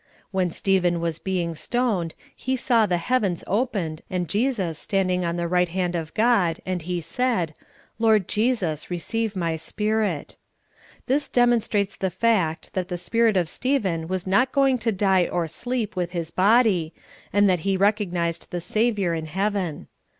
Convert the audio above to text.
When Stephen was beings stoned he saw the heavens opened and Jesus standing on the right hand of God, and he said, " Lord Jesus, receive my spirit." This demonstrates the fact that the spirit of Stephen was not going to die or sleep with his body, and that he recognized the Savior in heaven.